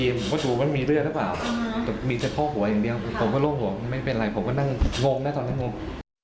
ผมก็ดูว่ามีเลือดหรือเปล่าแต่มีเฉพาะหัวอย่างเดียวผมก็โล่งหัวไม่เป็นไรผมก็นั่งงงนะตอนนั้นงง